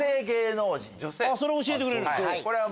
それは教えてくれるんだ。